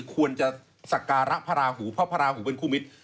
ควรจะสักการะพระราหูเพราะพระราหูเป็นคู่มิตร